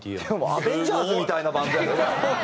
アベンジャーズみたいなバンドやな。